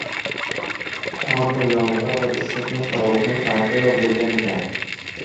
Qormi, yomgʻirmi, issiqmi, sovuqmi farqi yoʻq boʻlgan ekan.